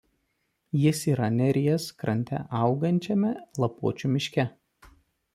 Jis yra Neries krante augančiame lapuočių miške.